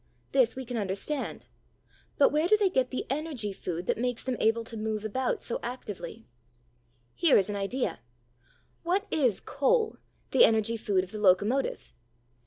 This we can understand. But where do they get the energy food that makes them able to move about so actively? Here is an idea. What is coal, the energy food of the locomotive?